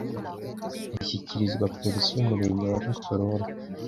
Ashyikirizwa polisi y umurenge wa rusororo